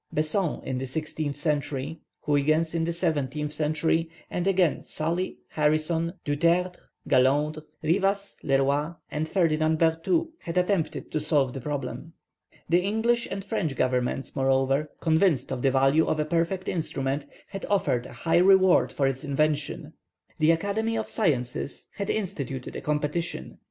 Besson in the sixteenth century, Huyghens in the seventeenth century, and again Sully, Harrison, Dutertre, Gallonde, Rivas, Le Roy, and Ferdinand Berthoud had attempted to solve the problem. The English and French Governments, moreover, convinced of the value of a perfect instrument, had offered a high reward for its invention. The Academy of Science had instituted a competition.